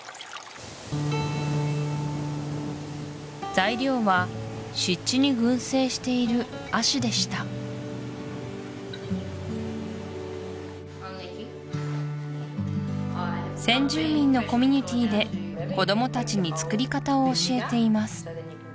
材料は湿地に群生している葦でした先住民のコミュニティーで子どもたちに作り方を教えています